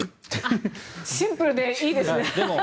シンプルでいいですね。